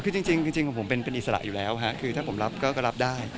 คือจริงผมเป็นอิสระอยู่แล้วคือถ้าผมรับก็รับได้